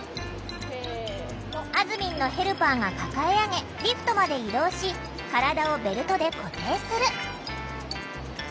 あずみんのヘルパーが抱え上げリフトまで移動し体をベルトで固定する。